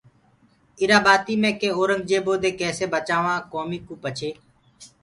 ايٚرآ ٻآتيٚ مي ڪي اورنٚگجيبو دي ڪيسي بچآوآنٚ ڪوميٚ ڪو پڇي